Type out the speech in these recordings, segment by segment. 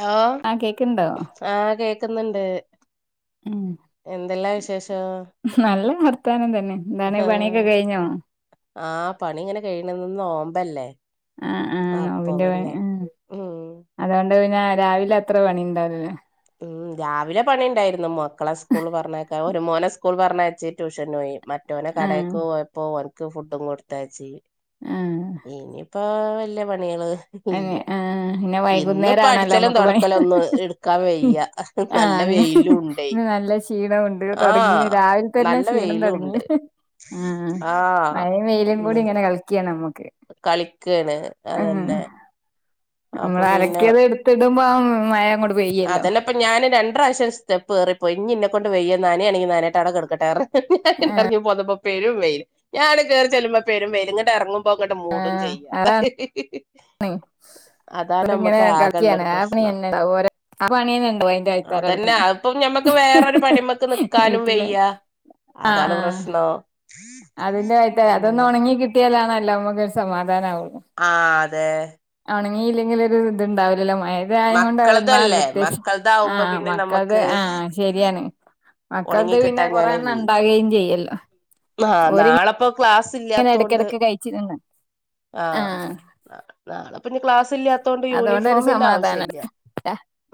Law ആഹ് കേക്ക്ണ്ടോ ആ കേക്ക്ന്ന്ണ്ട് ഉം എന്തെല്ലാ വിശ.. നല്ല വർത്താനം തന്നെ ന്താണ് പണിയൊക്കെ കഴിഞ്ഞോ? ആ പണി ഇങ്ങനെ കഴിയണന്ന് നോമ്പല്ലേ ആ ആ അപ്പൊ നോമ്പിന്റെ പ.. പിന്നെ ആ ഉം അതൊണ്ട് പിന്ന രാവിലെ അത്ര പണി ഉണ്ടാവൂല [unintelligible] ഉം രാവിലെ പണി ഇണ്ടായിരുന്നു മക്കളെ സ്കൂൾ പറഞ്ഞേക്ക ഒരു മോനെ സ്കൂൾ പറഞ്ഞെച്ച് ട്യൂഷൻ പോയി മ.. റ്റോനെ ആഹ് കടക്ക് പോയപ്പോൊ ഓനിക്ക് ഫുഡും കൊട്തയച്ചി ആഹ് ഇനിപ്പോ ഓ വല്യ പണികള് ആഹ ഇല്ല പിന്നെ ഇന്നിപ്പോ വൈകുന്നേരാണല്ലോ അടിച്ചലും മ്മക്ക് പണി തൊടക്കലും ഒന്നും എടുക്കാൻ ഹെ വയ്യ ആ നല്ല വെയിലും ഉണ്ടേ ഇന്ന് നല്ല ക്ഷീണംമുണ്ട് തുടങ്ങീന് ആഹ് രാവിലത്തന്നെ നല്ല ക്ഷീണം വെയിലും തുട ഉണ്ട് ങ്ങീന്. ആ ആഹ് മഴയും വെയിലും കൂടിങ്ങനെ കളിക്യാ കളിക്കേണ് ആഹ് അതന്നെ അപ്പൊ നമ്മള് പിന്നെ അലക്കിയത് എടുത്തിടുമ്പം മഴ അങ്ങോട്ട് പെയ്യല്ലോ അതന്നെപ്പ ഞാന് രണ്ട്രാവശ്യം സ്റ്റെപ്പ് കേറി പ്പോയി. ഇഞ്ഞ് ഇന്നെ കൊണ്ട് വെയ്യാ നനെയാണെങ്കിൽ നനയട്ടെ ആട കെടക്കട്ടെ പർഞ്ഞു ഞാനിങ്ങട്ട് ഇറങ്ങി പോന്നപ്പോ പെരും വെയില്. ഞാനട് കേറി ചെല്ലുമ്പം പെരും വെയില് ഇങ്ങട് എറങ്ങു മ്മങ്ങട് മൂടും ചെയ്യാ അതാണ് അതാ അതുകൊണ്ട് ഇങ്ങനെ നമ്മക്ക് കളിക്കാണ് ആകെള്ളൊരു ആ പണി പ്രശ്നം തന്നെ ഉണ്ടാവും ഓരോ ആ പണി തന്നെ ഉണ്ടാവും അയിന്റെ ആൾക്കാരടക്കണെ അതന്നെ അതിപ്പം ഞമ്മക്ക് വേറൊരു പണിമ്മക്ക് നിക്കാനും വീട്ടില് വയ്യാ ആഹ് അതാണ് ആഹ് പ്രശ്നോ അതിന്റെ കയത്ത അതൊന്ന് ഒണങ്ങി കിട്ടിയാലാ അല്ലോ നമ്മുക്ക് ഒരു സമാധാനമാവുള്ളൂ ആ അതെ ണങ്ങിലങ്കിലൊരിത്ണ്ടാവൂ അല്ല മയത് ആയ കൊണ്ട്ഒന്നാമത് മക്കളതല്ലേ വത്യാശം ആ മക്കളതാവുമ്പോ പിന്നെ മക്കളത് നമ്മക്ക് ആ ശരിയാണ് ഒണങ്ങി മക്കളത് പിന്നെ കൊറെ കിട്ടാഞ്ഞാല് എണ്ണം ഇ ണ്ടാകെയും ചെയ്യല്ലോ ഓരിങ്ങനെ നാളെപ്പൊ ക്ലാസ് ഇല്ലാത്തോണ്ട് എടക്കെടക്ക് കഴിച്ച് തിന്നും ആഹ് നാ നാളെ പിന്നെ ക്ലാസ്ല് ഇല്ലാത്തോണ്ട് അതുകൊണ്ടൊരു യൂണിഫോമിന്റെ ആവശ്യ സമാധാനം ഇല്ല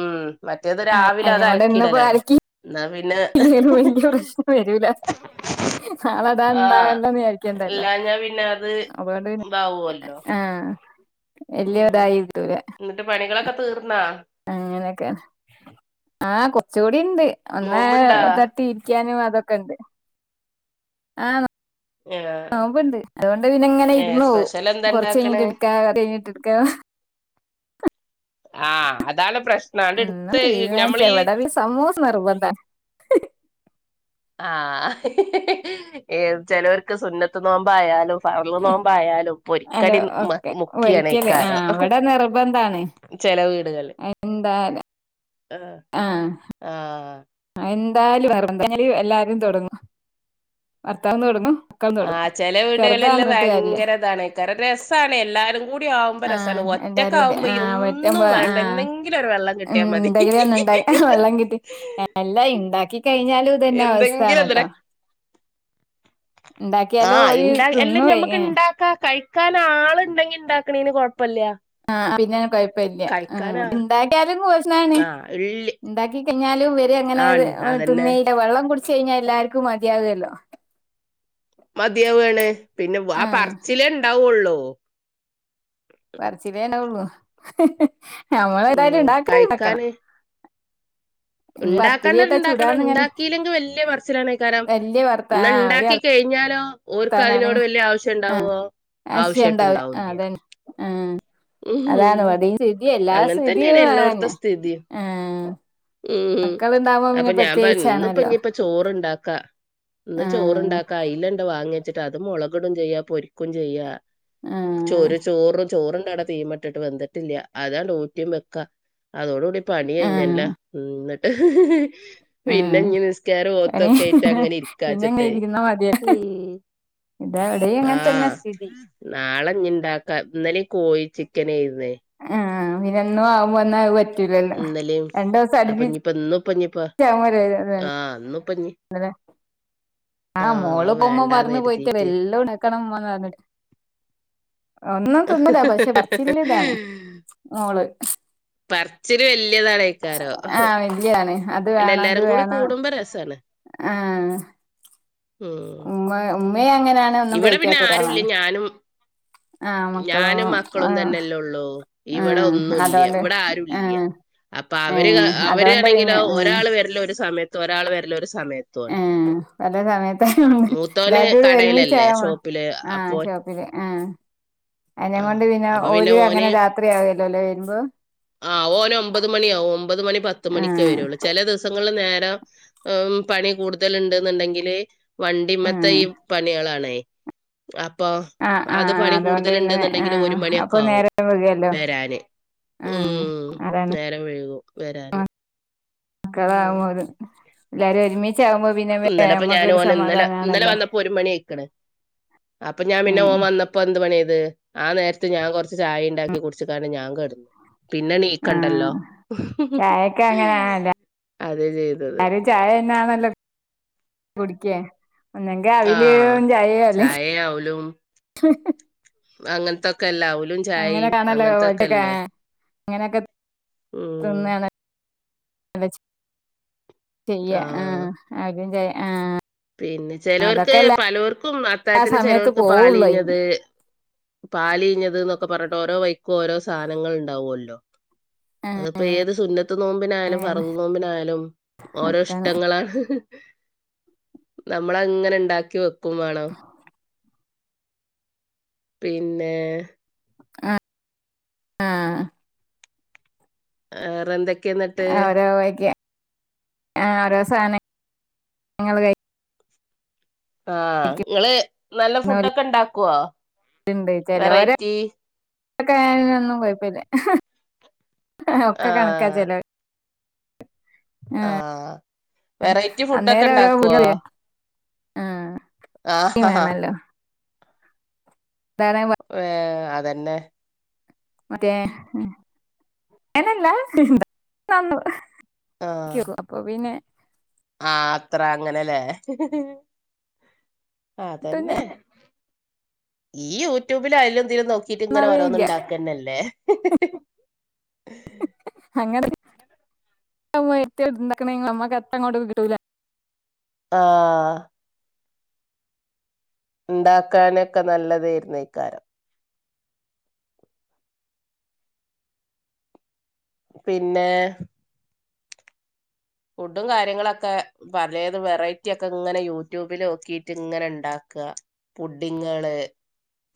ഉം മറ്റേത് രാവിലെ അത് അലക്കിയിടലാണ് എന്നാ പിന്നെ ഇല്ലേലും വല്യ പ്രശ്നം വരൂല നാള ഇടാൻ ആഹ് ഇണ്ടാവല്ലോന്ന് വിചാരിക്കണ്ടല്ലോ അതൊണ്ട് പിന്നെ അവ്വ്അല്ലോ [inaudible] വല്യ ഉം ഇതായി എന്നിട്ട് പണികളൊക്കെ തീർന്നാ? അങ്ങനൊക്കാണ്. ആ കൊർച്ചുടി ഇണ്ട് ഒന്ന് നോമ്പുണ്ടാ തട്ടി ഇരിക്കാനും അ ഇതൊക്കെണ്ട് ആന്നോ? ഏഹ് നോമ്പുണ്ട്. അതുകൊണ്ട് പിന്ന ഇങ്ങനെ ഏഹ് ഇരുന്നോവും. സ്പെഷ്യൽ എന്താ കൊറച്ച് ഇണ്ടാക്കണ് കഴിഞ്ഞിട്ടെടുക്കാ കൊർച്ച്‌ കഴിഞ്ഞിട്ടെടുക്കാ ആ അതാണ് പ്രശ്നം അണ്ട് ഒന്നും എടുത്ത് തീരുമാനിച്ച ഞമ്മള് ഈ ഇവിടെ പിന്നെ സമൂസ നിർബന്ധാണ് ആ ഏ ചിലവർക്ക് സുന്നത്ത് നോമ്പായാലും ഫർ ള്നോമ്പ ആയാലും അല്ല പൊരിക്കടി മ ഒക്കെ ഒരിക്കല് മുക്കിയണ്ക്കാരോ ആഹ് ഇവിടെ നിർബന്ധാണ് ചെല വീടുകള് എന്തായാലും ആ ആഹ് ആ എന്തായാലും വെറന്തല് എല്ലാരും തുടങ്ങു. ഭർത്താവും തുടങ്ങൂ. ആ ചെല വീടുകളില് ഭയങ്കര ഇതാണ്ക്കാരും രസാണ് എല്ലാരും കൂടി ആവുമ്പോ ആഹ് രസാണ് എല്ലാരും കൂടി ഒറ്റക്കാകുമ്പോ ഈ ആഹ് പറ്റുമ്പോ ഒന്നും വേണ്ട ആഹ് എന്തെങ്കിലും ഒരു വെള്ളം കിട്ടിയാ മതി. എന്തെങ്കിലും ഒന്ന് വെള്ളം കിട്ടി എല്ലാ ഇണ്ടാക്കി കഴിഞ്ഞാലും ഇതന്നെ അവസ്ഥാണല്ലോ. ആ ഓര് ഇണ്ട തിന്നും അല്ലെങ്കി ഞമ്മുക്ക് ഇണ്ടാക്കാം കഴി കാൻ ആള് ഇണ്ടെങ്കി ഇണ്ടാക്കണന് കൊഴ ആ പിന്നെ കൊഴപ്പില്ല. ആ കഴിക്കാനാ ഇണ്ടാക്കിയാലും കോഷഞ്ഞാണ് ആഹ് ഇള്ളി ഇണ്ടാക്കി കയിഞ്ഞാ തും ഇവരെ അങ്ങനെ ത് ആഹ് അതന്നെ തിന്നേയില്ല വെള്ളം കുടച്ച് കഴിഞ്ഞാൽ എല്ലാർക്കും മതിയാകല്ലോ. മതിയാവാണ് പിന്നെ ആ ആഹ് പറച്ചിലേ ഉണ്ടാവുള്ളൂ. പറച്ചിലേ ഉണ്ടാകുള്ളൂ. ഞമ്മൾ ഉം എതായാലും ഇണ്ടാക്കല് ഇണ്ടാക്കണം. ഇനി ഉണ്ടാക്കാണ്ടത് പത്തിരിയേട്ടാ ഉണ്ടാക്കണം. ചുടാന്നിങ്ങനെ ഉണ്ടാക്കില്ലെങ്കിൽ വല്യ പറച്ചിലാണ്ക്കാരം. വല്യ വർത്താ ന്ന ആഹ് വല്യ ഇണ്ടാക്കി കഴിഞ്ഞാലോ. ഓർക്ക് വർത്താനാണ് അതിനോട് വല്യ ആവശ്യണ്ടാവോ ആവശ്യട്ടുണ്ടാവൂല്ല്യ. ആ അതാണ് അവിടെസ്ഥിതി എല്ലാ അങ്ങനെ തന്നെയാണ് സ്ഥിതിയും എല്ലോടത്തെ അതന്നെ സ്ഥിതി ആ ഉം അപ്പം ഞാൻ പ ഇന്നിപ്പോ പ്രത്യേകിച്ചാണല്ലോ ഇനിയിപ്പ ചോറ്ണ്ടാക്കാ. ഇന്ന് ആഹ് ചോറ്ണ്ടാക്കാ അയിലണ്ട് വാങ്ങി വെച്ചിട്ട്. അത് മുളകിടും ചെയ്യ പൊരിക്കും ചെയ്യ ആഹ് ചൊറു ചോറ് ചോറ്ണ്ടട തീ മട്ടിട്ട് വെന്തിട്ടില്ല അതാണ് ഊറ്റം വെക്കാ അതോട കൂടി പണി ആഹ് കയിഞ്ഞല്ലോ. എന്നി ഹ് ഹ് ഹ് പിന്നെ ആഹ് ഇങ്ങനെ നിസ്ക്കാരം, പണി ഓത്തൊക്കെ ആയിട്ട് അങ്ങനെ പിന്നെ ഇങ്ങനെ ഇരിക്കാച്ചിട്ടെ ഇരിക്കുന്ന മതിയ യിന്ന് മ് ഇതെവിടെയും ആ അങ്ങനെ തന്നെ സ്ഥിതി നാളെ ഞിണ്ടാക്കാം ഇന്നലിം കോഴി ചിക്കനെ യിന്നേ. പിന്നെഎന്നും ആവുമൊവന്ന പ ഇന്നലെയും അപ്പ ഇഞ്ഞിപ്പ ഇന്നും ഇപ്പഞ്ഞപ്പ ആഹ ഇന്ന് പ്പഞ്ഞി അതെ ആ മോള് അത് പോകുമ്പോ വേണ്ടാന്ന് മറന്നു പോയിട്ട് കരുതീട്ട് വല്ലോണ് വക്കണം മ്മന്ന് പറഞ്ഞിട്ട്. ഒന്നും തിനില്ല പക്ഷെ പറച്ചില് ഇതാണ്. മോള് പറച്ചല് വലിയതാണേകാരം ആഹ് അത് വല്യതാണ് വേണം. അത് വേണം ആ ഉം ഉമ്മ ഉമ്മയെ അങ്ങനെയാണ് ഒന്നും ഇവിടെ പിന്നെ കഴിക്കാത്ത ആരുല്ല ഒരാളാണ് ഞാനും ആ മക്കളും ഞാനും ആ മക്കളും തന്നെല്ലേ ഒള്ളൂ ആ ഇവിടെ ഒന്നുല്ല അതോണ്ട് ഇവിടെ ആ ആരുല്ല അപ്പൊ അവര് അവരാണെങ്കിലോ ആഹ് ഒരാള് വരല് ഒരു സമയത്ത് ഒരാള് വരില്ല ഒരു സമയത്ത് എ ഏ പല സമയത്ത് ഉം എല്ലാ മൂത്തോന് വരും ഇവിടെ കടേലല്ലേ ഒരുമിച്ചാണോ. ഷോപ്പില് ആ അപ്പൊ ഷോപ്പില്. ആ അതിന ആഹ് കൊണ്ട് പിന്നെ അപ്പൊ ഒരു അങ്ങനെ രാത്രിയാവ വില്ലോല്ലോ വരുമ്പോ. ആ ഓന് ഒമ്പത് മണിയാവും ഒമ്പത് മണി പത്ത് പത്ത മണിക്ക് ആഹ് വരുള്ളു. ചില ദിവസങ്ങളിൽ നേരം പണി കൂടുതൽ ഉണ്ട് ന്നുണ്ടെങ്കില് ആഹ് വണ്ടിമെത്തെഈ പണികളാണേ അപ്പൊ ആഹ് അത് ആഹ് പണി അതുകൊണ്ട് കൂടുതൽ പിന്നെ ഉണ്ടെന്നുണ്ടെങ്കില് ആഹ് ഒരു മണിയൊക്കെ അപ്പൊ ആകും. നേരം വൈകുവല്ലോ വരാന് ആഹ് ഉം നേരം വൈഴകും വരാന്. മക്കള ഉം ആക്പോലു എല്ലാരും ഒരുമിച്ച് ച്ച ആകുമ്പോ പിന്നെ ഇന്നലെപ്പോ ഞാൻ നമ്മക്കൊരു ഓന് ഇന്നലെ ഇന്നലെ സമാധാനമാണല്ലോ.. വന്നപ്പോ ഒരു മണി ആയിക്കണ് അപ്പൊ ഞാൻ പിന്നെ ഓ വന്നപ്പോ എന്ത് പണി അത് ആ നേരത്തെ ഞാൻ കൊറച്ച് ചായ ഉണ്ടാക്കി കുടിച്ച കാണ്ട് ഞാൻ കെടന്നു പിന്നെ ണിക്കണ്ടല്ലോ. ആഹ് ആരും ചായ തന്നെയാണേല്ലോ കുടിക്ക... ഒന്നെങ്കിൽ ആഹ്. അവിലും ചായയും അല്ലെങ്കിൽ ചായ ഹ് ഹ്.. അങ്ങൻ ത്തൊക്കെല്ലെ ആവുല്.. അങ്ങനെ കാണല്ലോ [unintelligible] ട്ടക്കെ അങ്ങനെയൊക്കെ ഉം തിന്നാണ്.. ചെയ്യ ആഹ ആഹ്. അ തും ആ... പിന്നെ ചേലോർക് അതൊക്കെ എല്ലാ പാലോർക്കും അത്തായത്തിന് സമയത്ത് ചേലോർക് പോവുള്ളൂ പാലീഞ്ഞത്... അതിന് പാല്ഞ്ഞത് ന്നൊക്കെ പറഞ്ഞിട്ട് ഓരോ വൈക്കും ഓരോ സാധനങ്ങൾ ഉണ്ടാവോല്ലോ... അതിപ്പോ ഏത് സുന്നത്ത് നോമ്പിനായാലും അങ്ങനെ ഫർള്ള് നോമ്പിനായാലും ഓരോ അതാണ് ഇഷ്ടങ്ങളാണ്... നമ്മളങ്ങനെ ഇൻണ്ടാക്കി വെക്കും വാണ്ണം... പിന്നെ.. ആ.. വെറെ എന്തൊക്കെ ന്നിട്ട്... ഓരോ വഴിക്ക് ഓരോ സധ നങ്ങങ്ങള് കഴി... ആഹ ഇങ്ങള് നല്ല ഫുഡൊക്കെ ഉണ്ടാക്കൊ... ഇണ്ട് ചില ഓരോ ന്നും കൊഴപ്പില്ല... ഒക്കെ കണക്കാ ചെല.. ആഹ വെറൈറ്റി ഫുഡൊക്കെ അന്നേരം ഓരോ ഇണ്ടാക്കൊ.. പുതിയ ആ ഈ ആഹഹ ആ.. വേണല്ലോ അതാണ് വ- വെ അതെന്നെ... മറ്റെ ങ്ങനെല്ലാ നു.. [unintelligible] [unintelligible] അപ്പൊ പിന്നെ... ആ അത്ര അങ്ങനെല്ലേ ഒട്ടും അതന്നെ... ഈ യൂട്യൂബിലും അതിലും ഇതിലും നോക്കിട്ട് ഇങ്ങനെ നന്നാവേ ഓരോന്ന് ഇ ഇല്ല ണ്ടാക്കന്നല്ലേ.. [unintelligible] അങ്ങനെ.. [unintelligible] എത്തി എടുണ്ടക്ണെ ന മാക്ക് അത്തങ്ങോട്ട് ക്കിട്ടൂല... ആഹ് ഇണ്ടാക്കാനെ ക്കെ നല്ലതെയ്ര്ന്നെയ്ക്കാരം... പിന്നെ.. ഫുഡും കാര്യങ്ങളൊക്കെ പലെത് വെറൈറ്റി ഒക്കെ ഇങ്ങനെ യൂട്യൂബീല് നോക്കിട്ട് ഇങ്ങനെ ഉണ്ടാ ക പുഡിങ്ങെള്..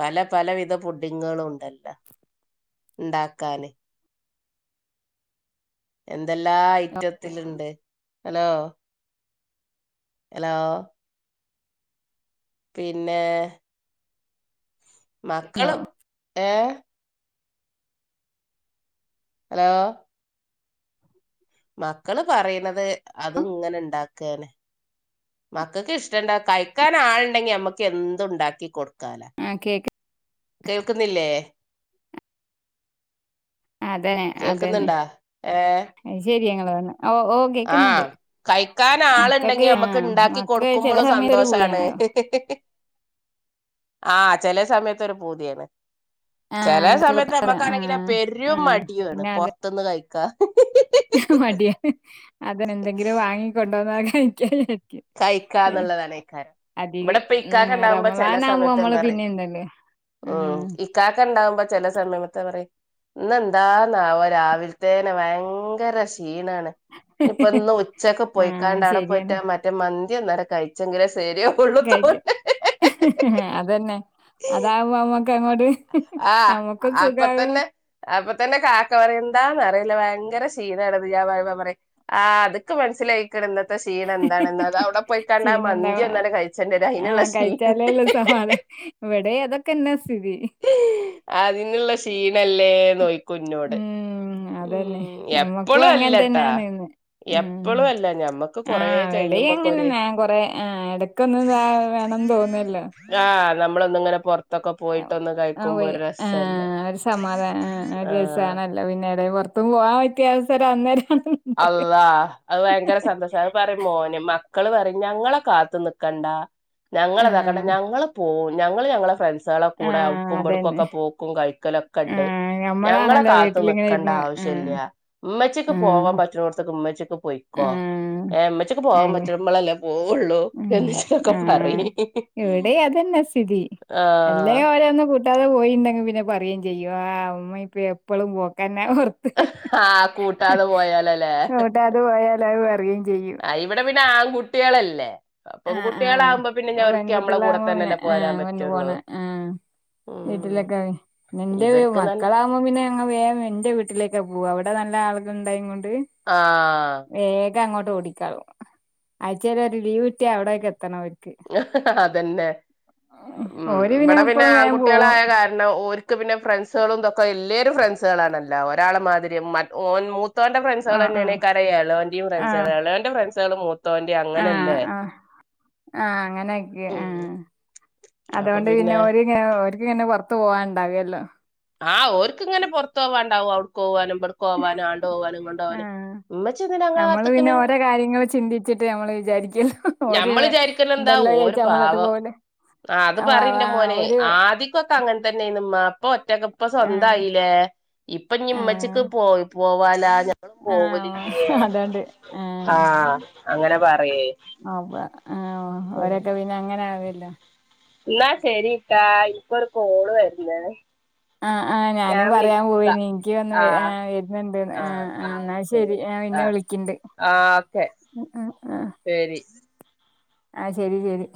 പല പലവിധ പുടിഡിങ്ങെളും ഉണ്ടല്ല ഇ ണ്ടാക്കാന്... എന്തെല്ലാ ഐറ്റത്തിലിണ്ട് ഹലോ... ഹലോ... പിന്നെ... മക്കളും ഏ ഹലോ... മക്കള് പറയ്ണത് അത് ഇങ്ങനെ ഇ ണ്ടാക്കന്.. മക്കക്ക് ഇഷ്ട കഴിക്കാൻ ആള് ണ്ടെങ്കി നമ്മക്ക് എന്തു ഇണ്ടാക്കി കൊടു... ക്കാല ആ കേക്ക് കേൾക്കുന്നില്ലേ അതെ അത് ന്നെ കേൾക്കുന്നുണ്ടാ ഏ അത് ശരിയാ നിങ്ങള്... ആ കഴിക്കാൻ ആൾ ഇണ്ടെങ്കി മക്കൾക്ക് ആ നമ്മുക്ക് ഇൻണ്ടാക്കി മക്കക്ക് ചില കൊടുക്കുംബളും സമയത്ത് ഒരു സന്തോഷാണ്... പൂതിയാണല്ലോ [unintelligible] ആ ചെല സമയത്തൊരു പൂതിയാണ്... ആ ചെലെ എന്തൊക്കെ സമയത്ത് കൊടുക്ക ആ നമ്മക്കാണെങ്കില് ആ പെരും മടിയുംണ് പൊർത്തുന്ന് കയി.. കാ... [unintelligible] മടിയ [unintelligible] അതെന്നേ ന്തെങ്കിലും വാങ്ങികൊണ്ട് വന്നാ കഴിക്കാ [unintelligible] വിചാരി... കഴിക്കാന്നുള്ളതാണയ്ക്കാരം ഇവിടെ അധികം പ്പം ഉം, ഇക്കാക്ക ഉണ്ടാവുമ്പോ ചെല റമദാനാകുമ്പോ സമയത്ത് നമ്മള് ന്ത്‌ റയും... പിന്നെ എന്തല്ലേ ഉം ഇക്കാക്ക ഇണ്ടാവുമ്പോ ചില സമയമത്തെ പറയും.. ഇന്ന് എന്താ ന്നാവം രാവിലതെന്നെ ഭയങ്കര ഷി... ക്ഷീണാണ് ഇഞ്പ്പം ഇന്ന് ഉച്ചക്ക് ആ പോയിക്കാണ്ട് അവിടെ ശരിയാണ് പോയിട്ടാ മറ്റേ മന്തി ഒന്ന്ടെ കഴിച്ചെങ്കിലേ ഷി.. ശരിയ ഉള്ളു തോണ്ട് [unintelligible] അത് ന്നെ അതാവോ മ്മക്ക് അങ്ങോട്ട് [unintelligible] ആഹ് മ്മക്കും സുഖാവും എന്താന്ന് അറിയില്ല ഭയങ്കര ഷീണണത് [unintelligible] പറ അത് ക്ക മനസ്സിലായി കിടന്നത്തെ ഷീണ് എന്താണെന്ന അത് സുഖാവും അവിടെ പോയി കാണ്ട ആ മന്തി ചീഞ്ഞുണ്ടാവ ഒന്നാല കഴിച്ചേണ്ടി വര അതിനുള്ള ശീ [unintelligible] ഹതെ എവിടെ അതൊക്കെന്നെ സ്ഥിതി അതിനുള്ള ഷീണല്ലേ നോയിക്കുന്നോട് ഉം അതന്നെ ഞമ്മക്കും അങ്ങനെ തന്നെയ നീന്ന് ഉം എപ്പളും അല്ല ഞമ്മക്ക് ആ കൊറേ എവിടെ അങ്ങനെ കഴിയുമ്പൊക്കൊര് ൻ കൊറെ ആ എടക്കൊന്ന് [unintelligible] ന്ത്‌ തോന്നുല്ലേ ആഹ് നമ്മളൊന്ന ങ്ങനെ പോറ് ആ പോയി [unintelligible] ഒരു സമാധാനം ആ ഒരു ആഹ് രസണല്ലേ പിന്നെട പുറത്ത് ആ [unintelligible] വ് സര് അന്നേര് അള്ള അത് ഭയങ്കര സന്തോഷം അത് പറയ മോന് മ മക്കള് പറ ഞങ്ങളെ കാത്തു നിക്കണ്ട ഞങ്ങളെതാക്കണ്ട ആഹ് ഞങ്ങള് പോ ഞങ്ങള് ഞങ്ങളെ ഫ്രണ്ട്സ് ക്ളെ കൂടെ അവ് ആഹ് ക്കുംപടുക്കും അതന്നെ ഒക്കെ പോക്കും കഴിക്കലൊക്കെ ഉണ്ട് ആഹ് ഞങ്ങളെ ഞമ്മളാണല്ലോ കാത്ത് നി വീട്ടിലിങ്ങനെ ക്കേണ്ട ഇരുന്ന് ആവശ്യ ആഹ് ല്ല്യ മ്മച്ചി ക്ക് പോവാം ആഹ് പ മോത്തൊ [unintelligible] മ്മച്ചിക്ക് പോയിക്കോ എ ആഹ് മ്മച്ചിക്ക് പോവാ അങ്ങ പറ്റ് മ്മളല്ലേ പോവു ഉള്ളൂ ഉം എന്ന [unintelligible] ട്ടൊക്കെ ആഹ് പറയി ഇവിടെ അതന്നെ സ്ഥിതി [unintelligible] അല്ലേ ഓരോ ഒന്നും കൂട്ടാതെ പോയിണ്ട് ങ്കി പിന്നെ പറയെം ചെയ്യു അ ഉമ്മ എപ്പളും പോക്കാ പിന്നെ പുറത്ത് ആഹ് കൂട്ടാതെ [unintelligible] പോയാലല്ലേ ങ്ങട്ട അത് പോയാല അത് പറയെം ചെയ്യും ത് ആൺകുട്ടികളല്ലേ അപ്പം ആ കുട്ടികളാകുമ്പോ പിന്നെ ആഹ ഞവർക്ക് നമ്മളെ കൂടെ പെൺകുട്ടികളാവു [unintelligible] പിനെ തന്നെയല്ലേ ആ പോരാൻ വന്നു പറ്റുള്ളൂ പോണെ ആ ഉം. വീട്ടിലെക്കായോ ന്നെ ന്റെ വീ ഇവർക്ക് തന്നെ മക്കളാവുമ്പം പിന്നെ അങ്ങ വേഗം ന്റെ വീട്ടിലേക്കാ പോവാ. അവിടെ നല്ല ആളുകൾണ്ടായങ്ങോണ്ട് ആ വേഗങ്ങോട്ട് ഓടിക്കാളും. ആയ്ച്ചേലൊര് ലീവ് കിട്ട്യാ അവിടേക്കെത്തണവർ ആഹ്ഹഹ അതന്നെ! ഉം ഓര് പിന്നെ ഇവടെപിന്നെ എപ്പളും വേഗം പോവും ആകുട്ടികളായ കാരണം ഓര് ക്ക്പിന്നെ ഫ്രണ്ട്സുകളുംതൊക്കെ എല്ലേരും ഫ്രണ്ട്സുകളാണല്ല, ഒരാളെ മാതിരി മറ്റ്ഓൻ മൂ മൂത്തോന്റെ ആഹ് ആഹ് ഫ്രൻസളന്നെണെകാരം എളോൻ്റിം ആഹ് ഫ്രൻസള്, എളോന്റെ ഫ്രൻസള് മൂത്തോൻ്റിം. അങ്ങനെല്ലേ! [inaudible] ആ അങ്ങനൊക്കെ, ആ അതുകൊണ്ട് പിന്നെ ഓര് ങ്ങ ഓര്ക്ക് ന്നെ പുറത്ത് പോവാണ്ട് [unintelligible] ആ ഓര്ക്ക്ങ്ങനെ പൊർത്തോവാണ്ടാവും. അവ്ട്ക്കോവലും വട്ക്കോവാനും ആണ്ടോവാനും ഇങ്ങണ്ടോവാനും. ആഹ് മ്മച്ചിന്തിനാ ങ്ങളെ നമ്മള് പിന്നെ കാത്ത്ക്ക്ണ് ഓരോ കാര്യങ്ങള് ചിന്തിച്ചിട്ട് നമ്മള് വിചാരിക്കല്ലോ ഓര് ഞമ്മള് വിചാരിക്ക്ണന്താ ഉണ്ടല്ലോ ഓര് വിചാരിച്ച് നമ്മളങ്ങട്ട് പാവം പോവൂല ആ അത് വാ പറിന്റെ വാ മോന്, ഓര് ആദിക്കൊക്കെങ്ങൻതന്നെനിമ്മാ ഇപ്പൊ ഒറ്റക്ക, പ്പ ആഹ് സ്വന്തായില്ലേ, ഇപ്പൊ ഞ്ഞി ആഹ് മ്മച്ചക്ക് പോ പോവാലാ ഞങ്ങളും പോവലില്ല്യേ, ആഹ് അതോണ്ട് ആ അങ്ങനെ പർ ആ വ ആ ഓരൊക്കെ പിന്നെ അങ്ങനെ ആവല്ലോ ന്നാ ശരിട്ടാ ഇൻക്കൊരു കോള്വര്ന്നേ ആ ആ ഞാനും പറയാൻപോവേനി ൻക്യൊഒന്ന് വ ആ ആഹ് വര്ന്ന്ണ്ട്ന്ന് ആ ആഹ് ആ ആഹ് ന്നാ ശരി. ഞാ പിന്നെ ആഹ് വിളിക്ക്ണ്ട്. ആഹ് ഓക്കെ ആ ആ ശരി ആ ശരി ശരി